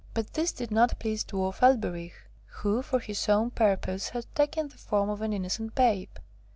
But this did not please Dwarf Elberich, who for his own purpose had taken the form of an innocent babe.